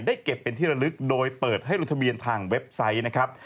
เก็บเป็นที่ระลึกโดยเปิดให้ลงทะเบียนทางเว็บไซต์นะครับ